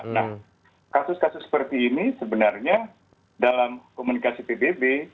nah kasus kasus seperti ini sebenarnya dalam komunikasi pbb